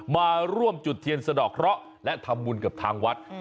มาร่วมจุดเทียนสะดอกเคราะห์และทำบุญกับทางวัด